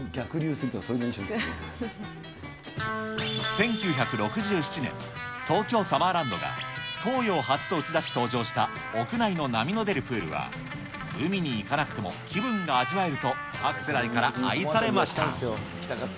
１９６７年、東京サマーランドが、東洋初と打ち出し登場した屋内の波の出るプールは、海に行かなくても気分が味わえると、各世代から愛されました。